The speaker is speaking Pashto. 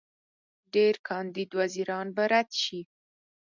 ډېر کاندید وزیران به رد شي.